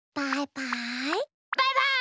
バイバイ！